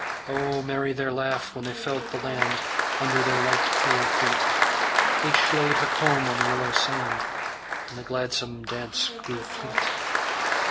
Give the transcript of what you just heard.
O merry their laugh when they felt the land Under their light cool feet! Each laid her comb on the yellow sand, And the gladsome dance grew fleet.